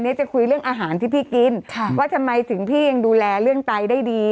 จะคุยเรื่องอาหารที่พี่กินค่ะว่าทำไมถึงพี่ยังดูแลเรื่องไตได้ดี